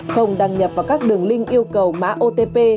không đăng nhập vào các đường link yêu cầu mã otp